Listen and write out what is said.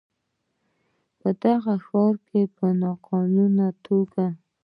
په دغه ښار کې په ناقانونه توګه